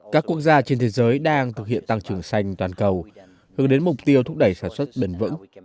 các quốc gia trên thế giới đang thực hiện tăng trưởng xanh toàn cầu hướng đến mục tiêu thúc đẩy sản xuất bền vững